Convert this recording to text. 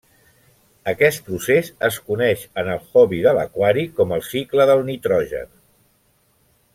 Aquest procés es coneix en el hobby de l'aquari com el cicle del nitrogen.